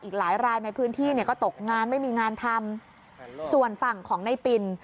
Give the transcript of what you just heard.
อีกหลายรายในพื้นที่เนี่ยก็ตกงานไม่มีงานทำส่วนฝั่งของในปิน